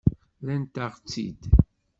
Rrant-aɣ-tt-id.